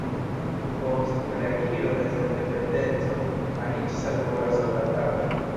Post reakiro de sendependeco aniĝis al Pola Soldataro.